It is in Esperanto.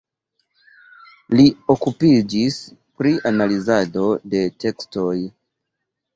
Li okupiĝis pri analizado de tekstoj.